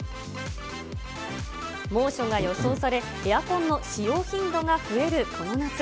猛暑が予想され、エアコンの使用頻度が増えるこの夏。